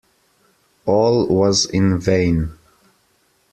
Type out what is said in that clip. All was in vain.